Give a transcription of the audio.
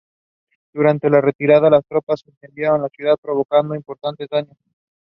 His maternal family immigrated from Macedonia.